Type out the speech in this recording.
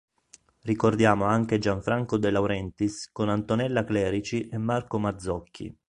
Ricordiamo anche Gianfranco De Laurentiis con Antonella Clerici e Marco Mazzocchi.